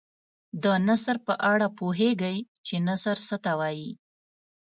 د نثر په اړه پوهیږئ چې نثر څه ته وايي.